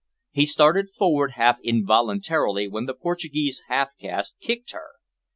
He started forward half involuntarily when the Portuguese half caste kicked her.